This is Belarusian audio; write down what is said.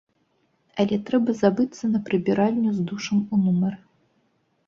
Але трэба забыцца на прыбіральню з душам у нумары.